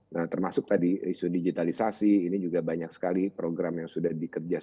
nah termasuk tadi isu digitalisasi ini juga banyak sekali program yang sudah dikerjakan